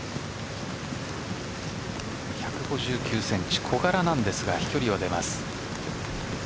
１５９センチ、小柄なんですが飛距離は出ます。